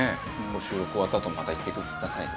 収録終わったあともまた行ってくださいね。